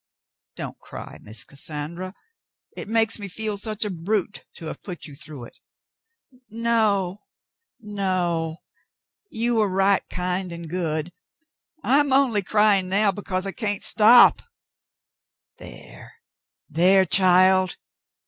Don't cry, Miss Cassandra. It makes me feel such a brute to have put you through it." "No, no. You were right kind and good. I'm only crying now because I can't stop." "There, there, child